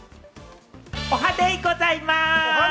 おはデイございます。